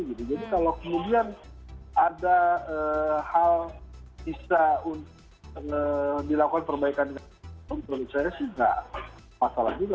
jadi kalau kemudian ada hal bisa dilakukan perbaikan di kantong saya sih enggak masalah juga